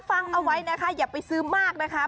ฟังเอาไว้นะคะอย่าไปซื้อมากนะคะ